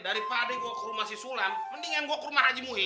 daripada gua ke rumah si sulam mendingan gua ke rumah aji muhidin